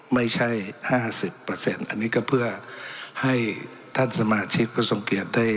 ไม่ใช่ห้าสิบเปอร์เซ็นต์อันนี้ก็เพื่อให้ท่านสมาชิกก็สงเกียจได้